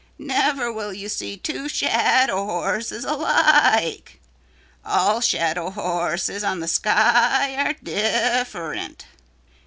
Never will you see two shadow horses alike. All shadow horses on the sky are different.